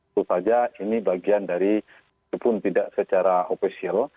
itu saja ini bagian dari walaupun tidak secara ofisial